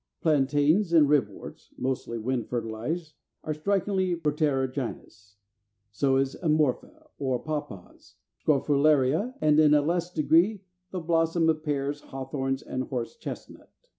Plantains or Ribworts (mostly wind fertilized) are strikingly proterogynous: so is Amorpha, our Papaws, Scrophularia, and in a less degree the blossom of Pears, Hawthorns, and Horse chestnut.